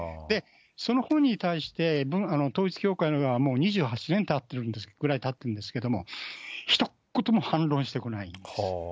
その本に対して、統一教会の側も２８年ぐらいたってるんですけれども、ひと言も反論してこないんです。